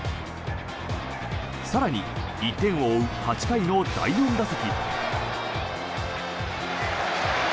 更に、１点を追う８回の第４打席。